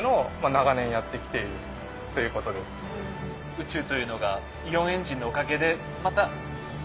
宇宙というのがイオンエンジンのおかげでまた身近になりますね。